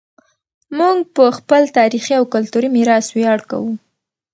موږ په خپل تاریخي او کلتوري میراث ویاړ کوو.